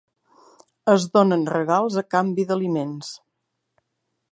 Es donen regals a canvi d'aliments.